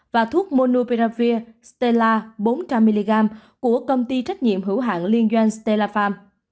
và thuốc monopiravir stella bốn trăm linh mg của công ty trách nhiệm hữu hạng liên doanh stella farm